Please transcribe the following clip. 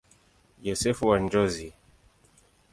Yosefu wa Njozi.